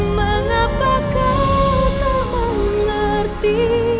mengapa kau tak mengerti